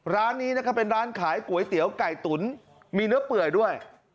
ร้านนี้นะครับเป็นร้านขายก๋วยเตี๋ยวไก่ตุ๋นมีเนื้อเปื่อยด้วย